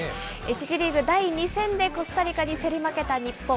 １次リーグ第２戦でコスタリカに競り負けた日本。